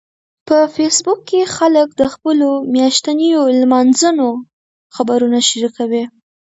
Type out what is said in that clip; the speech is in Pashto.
په فېسبوک کې خلک د خپلو میاشتنيو لمانځنو خبرونه شریکوي